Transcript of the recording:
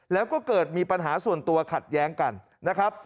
แล้วก็เกิดมีปัญหาส่วนตัวขัดแย้งกันนะครับ